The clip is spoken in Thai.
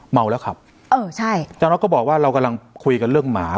เมาแล้วขับจลก็บอกว่าเรากำลังคุยกันเรื่องหมา